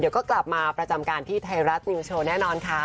เดี๋ยวก็กลับมาประจำการที่ไทยรัฐนิวโชว์แน่นอนค่ะ